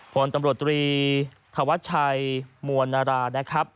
ผลตำรวจตรีธวัชชัยมวลนารานะครับ